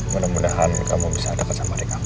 mudah mudahan kamu bisa deket sama adik aku